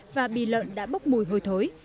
và bì lợn đã bốc mùi hôi thối